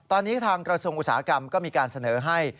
ตอนนี้ทางกระทรวงอุตสาหกรรมก็มีการเสนอให้